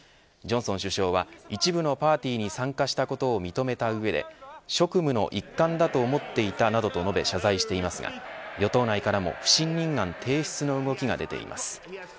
ジョンソン首相は一部のパーティーに参加したことを認めた上で職務の一環だと思っていたなどと述べ謝罪していますが与党内からも不信任案提出の動きが出ています。